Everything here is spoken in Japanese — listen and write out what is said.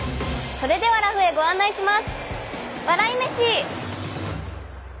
それではラフへご案内します。